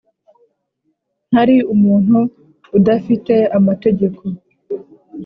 ntari umuntu udafi te amategeko